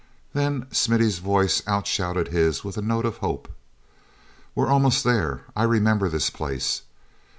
Then Smithy's voice outshouted his with a note of hope: "We're almost there; I remember this place.